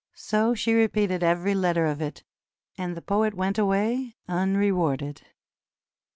So she repeated every letter of it, and the poet went away unrewarded.